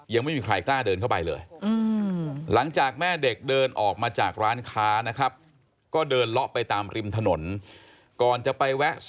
ยังไม่มีใครกล้าเดินเข้าไปเลย